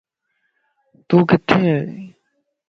تو ڪٿي ائي؟